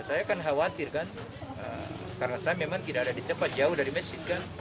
saya kan khawatir kan karena saya memang tidak ada di tempat jauh dari masjid kan